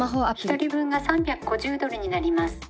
「１人分が３５０ドルになります」。